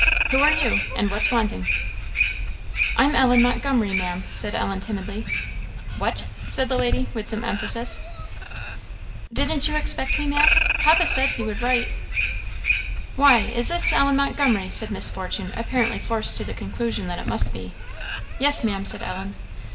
"Who are you? and what's wanting?" "I am Ellen Montgomery, Maam," said Ellen timidly. "What?" said the lady, with some emphasis. "Didn't you expect me, Maam?" said Ellen. "Papa said he would write." "Why, is this Ellen Montgomery?" said Miss Fortune, apparently forced to the conclusion that it must be. "Yes, Maam," said Ellen.